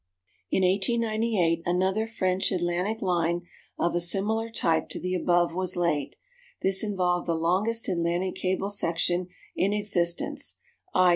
In 1898 another French Atlantic line of a similar type to the above was laid. This involved the longest Atlantic cable section in existence, i.